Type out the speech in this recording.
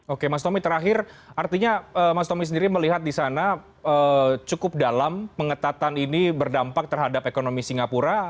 oke mas tommy terakhir artinya mas tommy sendiri melihat di sana cukup dalam pengetatan ini berdampak terhadap ekonomi singapura